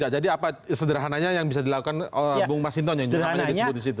jadi apa sederhananya yang bisa dilakukan bung mas hinton yang disebut disitu